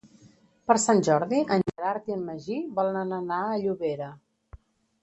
Per Sant Jordi en Gerard i en Magí volen anar a Llobera.